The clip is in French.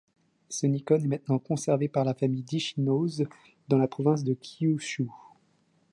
Ce Nikon est maintenant conservé par la famille d'Ichinose, dans la province de Kyushu.